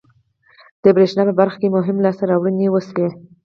د بریښنا په برخه کې مهمې لاسته راوړنې وشوې.